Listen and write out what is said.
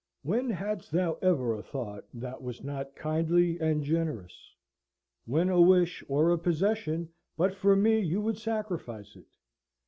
When hadst thou ever a thought that was not kindly and generous? When a wish, or a possession, but for me you would sacrifice it?